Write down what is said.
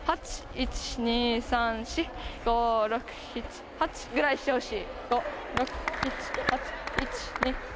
１、２、３、４、５、６、７、８。ぐらいしてほしい。